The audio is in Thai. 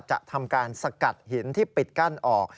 จะทำการสกัดหินที่ปิดกั้นออก